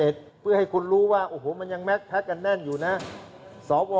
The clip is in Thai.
ใช่ก็รอบที่๔ไงผมบอกว่าอาจจะเป็นรอบที่๔ไง